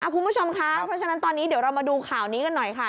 คุณผู้ชมคะเพราะฉะนั้นตอนนี้เดี๋ยวเรามาดูข่าวนี้กันหน่อยค่ะ